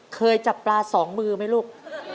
เคยจับปลาสองมือไหมลูก